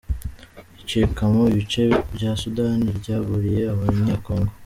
Icikwamo ibice rya Sudani ryaburiye Abanyekongo